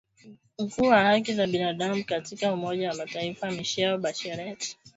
mkuu wa haki za binadamu katika Umoja wa Mataifa Michelle Bachelet